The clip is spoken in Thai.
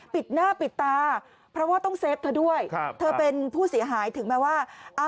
ปิดหน้าปิดตาเพราะว่าต้องเซฟเธอด้วยเธอเป็นผู้เสียหายถึงแม้ว่า